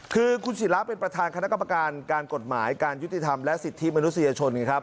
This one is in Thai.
คือคุณศิราเป็นประธานคณะกรรมการการกฎหมายการยุติธรรมและสิทธิมนุษยชนไงครับ